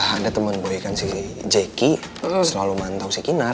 ada temen boy kan si jackie selalu mantau si kinar